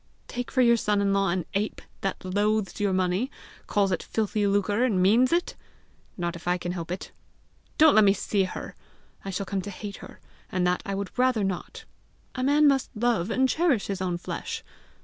Take for your son in law an ape that loathes your money, calls it filthy lucre and means it! Not if I can help it! Don't let me see her! I shall come to hate her! and that I would rather not; a man must love and cherish his own flesh!